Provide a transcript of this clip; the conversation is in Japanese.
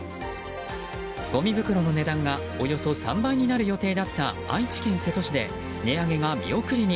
ごみ袋の値段がおよそ３倍になる予定だった愛知県瀬戸市で値上げが見送りに。